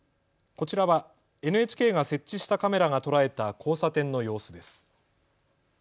こちらはＮＨＫが設置したカメラが捉えた交差点の様子です。